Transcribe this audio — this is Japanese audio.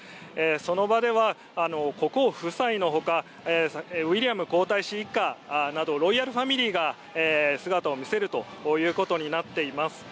その場では国王夫妻の他ウィリアム皇太子一家などロイヤルファミリーが姿を見せるということになっています。